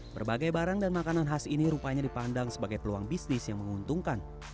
berbagai barang dan makanan khas ini rupanya dipandang sebagai peluang bisnis yang menguntungkan